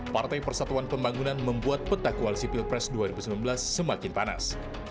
partai persatuan pembangunan membuat peta koalisi pilpres dua ribu sembilan belas semakin panas